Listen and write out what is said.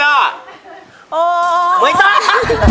อ๋อไม่ต้อง